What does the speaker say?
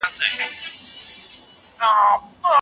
مهرباني وکړئ په دې خالي ځای کې نوې ونې کښېنوئ.